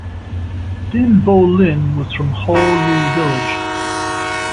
Dinh Bo Linh was from Hoa Lu village.